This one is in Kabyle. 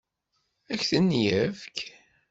Ad k-ten-yefk?